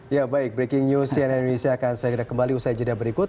ya baik breaking news cnn indonesia akan segera kembali usai jeda berikut